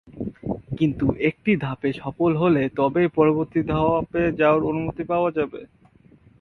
কিন্তু একটি ধাপে সফল হলে তবেই পরবর্তী ধাপে যাওয়ার অনুমতি পাওয়া যাবে।